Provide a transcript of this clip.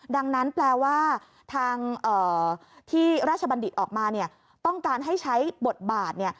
ดังนั้นแปลว่าทางที่ราชบัณฑิตออกมาเนี่ยต้องการให้ใช้บทบาท